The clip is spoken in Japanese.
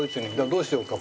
どうしようか？